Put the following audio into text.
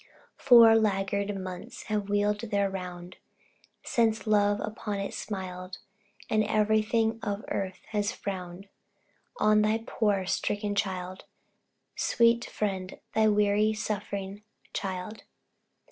Four laggard months have wheeled their round Since love upon it smiled; And everything of earth has frowned On thy poor, stricken child sweet friend, Thy weary, suffering child.